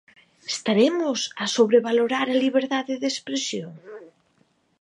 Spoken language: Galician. Estaremos a sobrevalorar a liberdade de expresión?